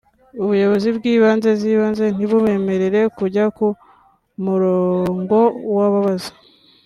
ubuyobozi bw’inzego z’ibanze ntibubemerere kujya ku murongo w’ababaza